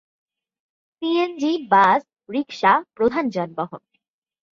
CNG, bus, rickshaw প্রধান যানবাহন।